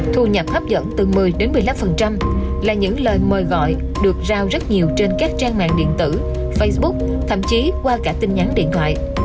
thu nhập hấp dẫn từ một mươi đến một mươi năm là những lời mời gọi được giao rất nhiều trên các trang mạng điện tử facebook thậm chí qua cả tin nhắn điện thoại